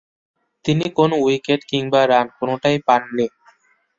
তিনি কোন উইকেট কিংবা রান কোনটাই পাননি।